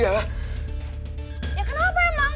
ya kenapa emang